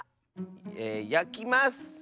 えやきます！